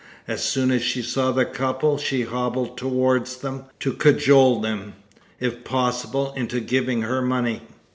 As soon as she saw the couple she hobbled towards them to cajole them, if possible, into giving her money.